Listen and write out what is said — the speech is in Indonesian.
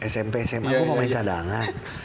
smp sma gue pemain cadangan